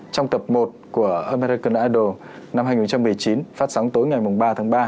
trong tập một của american idal năm hai nghìn một mươi chín phát sóng tối ngày ba tháng ba